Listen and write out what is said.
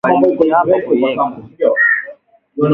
nyuzi nyuzi kwenye viazi hushusha thamani ya viazi